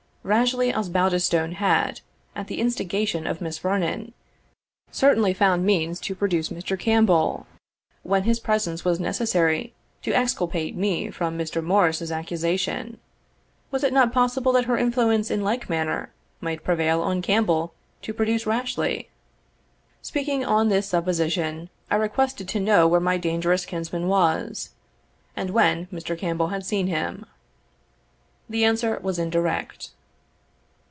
Rashleigh Osbaldistone had, at the instigation of Miss Vernon, certainly found means to produce Mr. Campbell when his presence was necessary to exculpate me from Morris's accusation Was it not possible that her influence, in like manner, might prevail on Campbell to produce Rashleigh? Speaking on this supposition, I requested to know where my dangerous kinsman was, and when Mr. Campbell had seen him. The answer was indirect.